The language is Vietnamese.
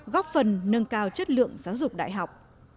góp phần nâng cao chất lượng giáo dục đại học